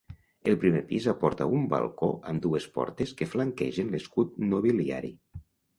El primer pis aporta un balcó amb dues portes que flanquegen l'escut nobiliari.